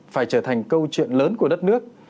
phải trở thành câu chuyện lớn của đất nước